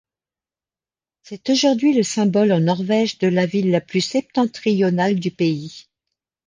C'est aujourd'hui le symbole en Norvège de la ville la plus septentrionale du pays.